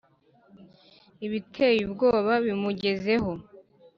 ibiteye ubwoba bimugezeho